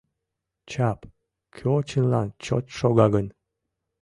Чап, кӧ чынлан чот шога гын